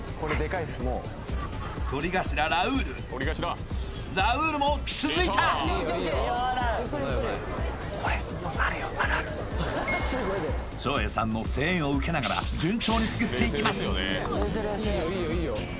とり頭ラウールラウールも続いた照英さんの声援を受けながら順調にすくっていきます